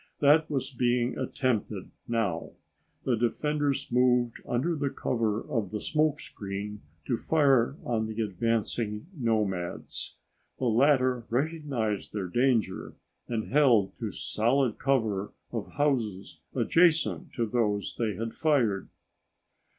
That was being attempted now. The defenders moved under the cover of the smokescreen to fire on the advancing nomads. The latter recognized their danger and held to solid cover of houses adjacent to those they had fired.